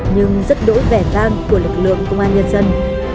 nhưng rất đỗi vang của lực lượng công an nhân dân